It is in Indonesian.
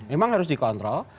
memang harus dikontrol